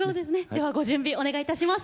ではご準備お願いいたします。